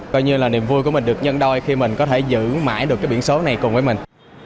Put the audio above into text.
coi như là niềm vui của mình được nhân đôi khi mình có thể giữ mãi được cái biển số này cùng với mình